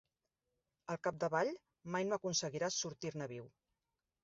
Al capdavall, mai no aconseguiràs sortir-ne viu.